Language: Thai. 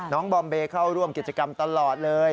บอมเบย์เข้าร่วมกิจกรรมตลอดเลย